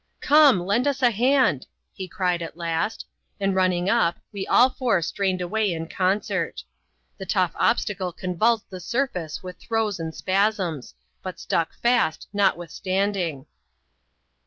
''Come! lend us a hand!" he cried, at last; and, rmraing up, we all four strained away in concert. The tough obstacle convulsed the surface with throes and spasms ; but stuck fast^ notwithstanding.